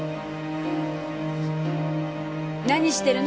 何してるの？